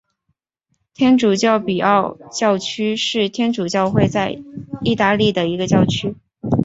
天主教古比奥教区是天主教会在义大利的一个教区。